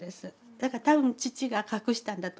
だから多分父が隠したんだと思います。